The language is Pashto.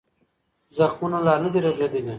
زخمونه لا نه دي رغېدلي.